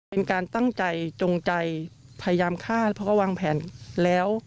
เป็นการตั้งใจจงใจพยายามฆ่าเพราะก็วางแผนแล้ว